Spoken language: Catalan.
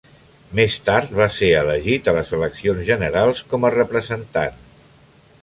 Més tard va ser elegit a les eleccions generals com a Representant.